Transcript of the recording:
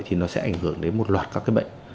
thì nó sẽ ảnh hưởng đến một loạt các cái bệnh